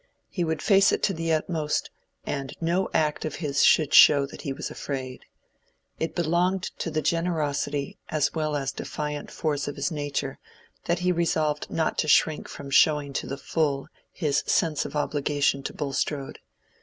He would face it to the utmost, and no act of his should show that he was afraid. It belonged to the generosity as well as defiant force of his nature that he resolved not to shrink from showing to the full his sense of obligation to Bulstrode.